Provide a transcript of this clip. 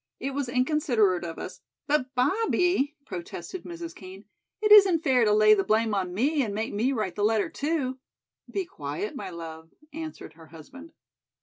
It was inconsiderate of us '" "But, Bobbie," protested Mrs. Kean, "it isn't fair to lay the blame on me and make me write the letter, too." "Be quiet, my love," answered her husband.